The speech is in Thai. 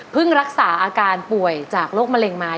รักษาอาการป่วยจากโรคมะเร็งมา